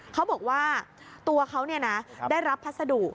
เขาบอกว่าตัวเขาได้รับพัสดุ